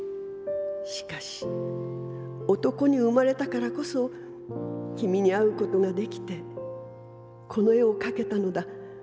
しかし男に生まれたからこそキミに会うことが出来てこの絵を描けたのだ。